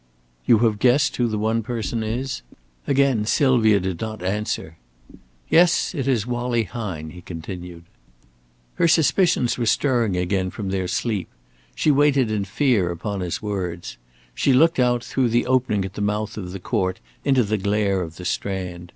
"You have guessed who the one person is?" Again Sylvia did not answer. "Yes. It is Wallie Hine," he continued. Her suspicions were stirring again from their sleep. She waited in fear upon his words. She looked out, through the opening at the mouth of the court into the glare of the Strand.